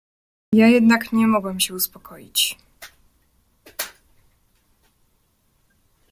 "Ja jednak nie mogłem się uspokoić."